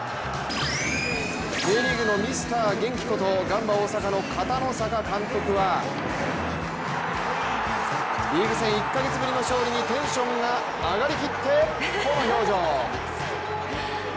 Ｊリーグのミスター元気ことガンバ大阪の片野坂監督はリーグ戦１カ月ぶりの勝利にテンションが上がりきって、この表情。